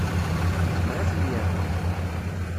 Yezmer ad ten-yernu.